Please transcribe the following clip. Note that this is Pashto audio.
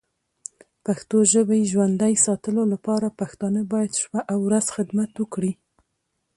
پښتو ژبی ژوندی ساتلو لپاره پښتانه باید شپه او ورځ خدمت وکړې.